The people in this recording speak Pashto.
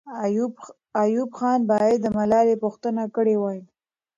ایوب خان باید د ملالۍ پوښتنه کړې وای.